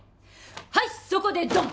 はいそこでドン！